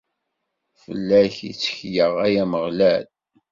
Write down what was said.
Fell-ak i ttekleɣ, ay Ameɣlal.